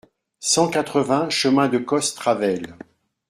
cent quatre-vingts chemin de Coste Ravelle